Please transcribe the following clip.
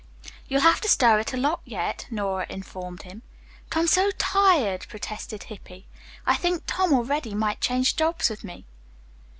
"You'll have to stir it a lot, yet," Nora informed him. "But I'm so tired," protested Hippy. "I think Tom or Reddy might change jobs with me."